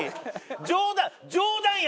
冗談冗談や！